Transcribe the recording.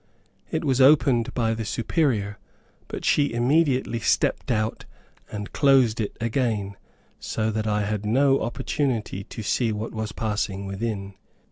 It was opened by the Superior, but she immediately stepped out, and closed it again, so that I had no opportunity to see what was passing within.